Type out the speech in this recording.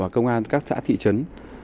công an các xã thị trấn